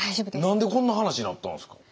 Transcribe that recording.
何でこんな話になったんですか？